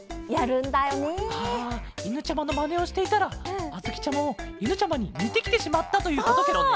はあいぬちゃまのまねをしていたらあづきちゃまもいぬちゃまににてきてしまったということケロね？